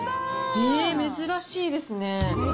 えー、珍しいですね。